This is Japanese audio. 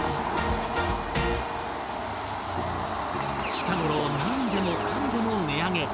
近頃何でもかんでも値上げ。